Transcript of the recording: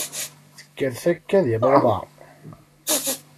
Tekker takka di luḍa!